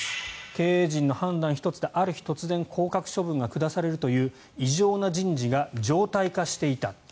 経営陣の判断一つである日降格処分が伝えられるという異常な人事が常態化していた。